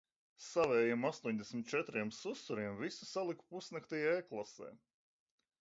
Savējiem astoņdesmit četriem susuriem visu saliku pusnaktī e-klasē.